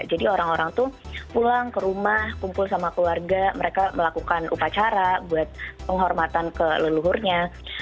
jadi orang orang tuh pulang ke rumah kumpul sama keluarga mereka melakukan upacara buat penghormatan ke leluhurnya